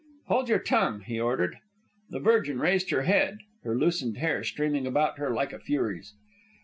"Hold your tongue!" he ordered. The Virgin raised her head, her loosened hair streaming about her like a Fury's.